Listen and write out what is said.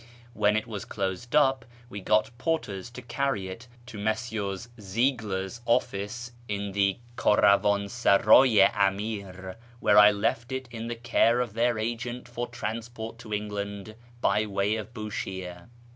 When it w^as closed up, we got porters to carry it to Messrs. Ziegler's office in the Kdravdnsardy i Amir, where I left it in the care of their agent for transport to England by way of Bushire.